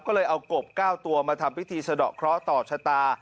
ก็เลยเอากบ๙ตัวมาทำพิธีสะดอกเคราะห์ต่อชะตา